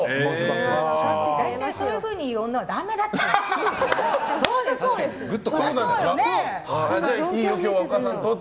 大体、そういうふうに言う女はだめだって！